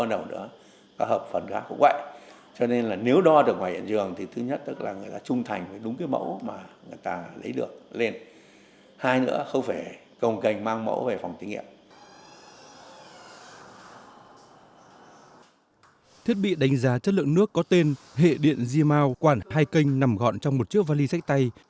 thiết bị đánh giá chất lượng nước có tên hệ điện g mau quản hai kênh nằm gọn trong một chiếc vali sách tay